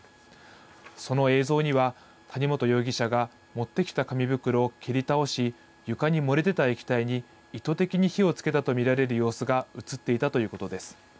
その映像には、谷本容疑者が持ってきた紙袋を蹴り倒し、床に漏れ出た液体に意図的に火をつけたと見られる様子が写っていたということです。